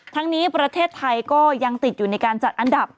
ทั้งนี้ประเทศไทยก็ยังติดอยู่ในการจัดอันดับ